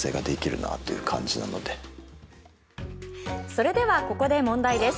それではここで問題です。